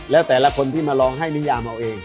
แล้วแต่ละคนที่มาลองให้นิยามเอาเอง